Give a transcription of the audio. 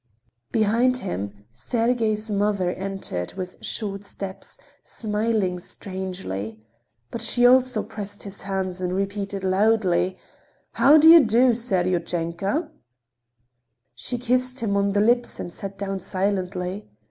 Behind him Sergey's mother entered with short steps, smiling strangely. But she also pressed his hands and repeated loudly: "How do you do, Seryozhenka?" She kissed him on the lips and sat down silently.